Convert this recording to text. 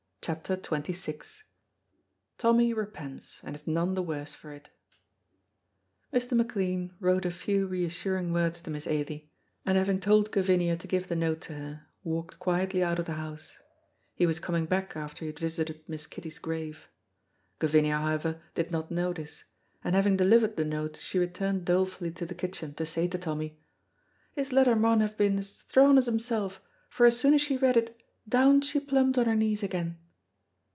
CHAPTER XXVI TOMMY REPENTS, AND IS NONE THE WORSE FOR IT Mr. McLean wrote a few reassuring words to Miss Ailie, and having told Gavinia to give the note to her walked quietly out of the house; he was coming back after he had visited Miss Kitty's grave. Gavinia, however, did not knew this, and having delivered the note she returned dolefully to the kitchen to say to Tommy, "His letter maun have been as thraun as himsel', for as soon as she read it, down she plumped on her knees again."